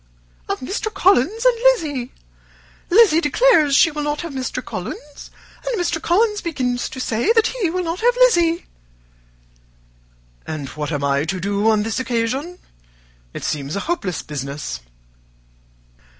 "Of Mr. Collins and Lizzy. Lizzy declares she will not have Mr. Collins, and Mr. Collins begins to say that he will not have Lizzy." "And what am I to do on the occasion? It seems a hopeless business."